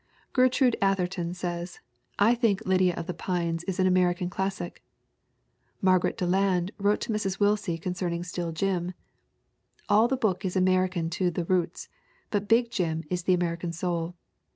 Gertrude Atherton says: "I think Lydia of the Pines is an American classic." Margaret Deland wrote to Mrs. Willsie concerning Still Jim: "All the book is American to the roots but big Jim is the American soul.